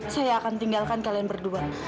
saya akan tinggalkan kalian berdua